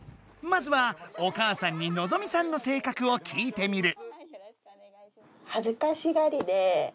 まずはお母さんにのぞみさんの性格を聞いてみる。